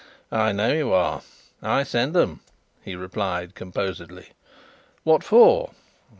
"I know you are; I send 'em," he replied composedly. "What for?"